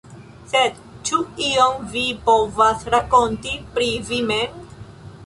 Sed ĉu ion vi povas rakonti pri vi mem?